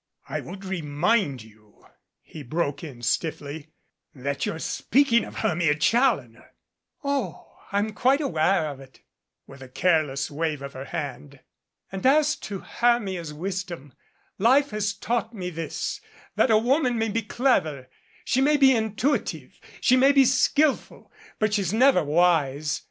"I would remind you," he broke in stiffly, "that you're speaking of Hermia Challoner." "Oh, I'm quite aware' of it," with a careless wave of her hand. "And as to Hermia's wisdom life has taught me this that a woman may be clever, she may be intui tive, she may be skillful, but she's never wise.